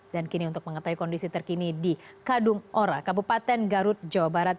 dan kini untuk mengetahui kondisi terkini di kadung ora kabupaten garut jawa barat